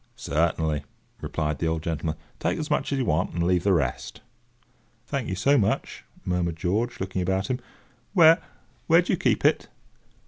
"Certainly," replied the old gentleman; "take as much as you want, and leave the rest." "Thank you so much," murmured George, looking about him. "Where—where do you keep it?"